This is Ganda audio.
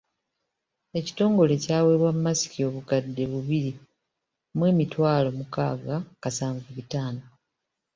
Ekitongole kyaweebwa masiki obukadde bubiri mu emitwalo mukaaga kasanvu bitaano.